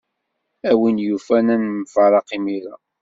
A win yufan ad nemfaraq imir-a.